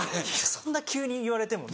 そんな急に言われてもね。